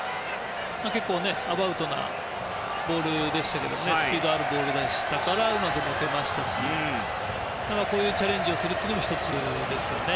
結構、アバウトなボールでしたがスピードあるボールでしたからうまく抜けましたしこういうチャレンジをするのも１つですよね。